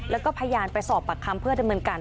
แล้วก็พยานไปสอบปากคำเพื่อดำเนินการ